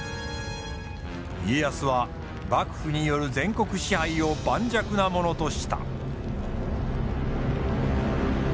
家康は幕府による全国支配を盤石なものとした。